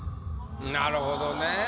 なるほどね。